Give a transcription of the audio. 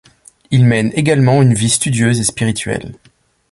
Il mène également une vie studieuse et spirituelle.